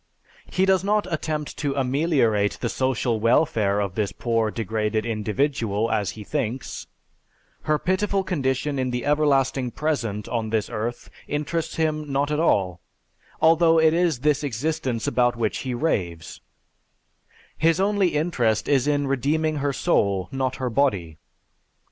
He does not attempt to ameliorate the social welfare of this poor, degraded individual, as he thinks; her pitiful condition in the "everlasting present" on this earth interests him not at all, although it is this existence about which he raves, his only interest is in redeeming her soul not her body.